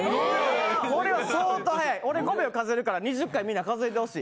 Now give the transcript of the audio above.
これは相当早い俺５秒数えるから、２０回みんな数えてほしい。